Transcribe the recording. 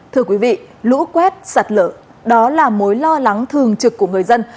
thưa quý vị lũ quét sạt lở đó là mối lo lắng thường trực của người dân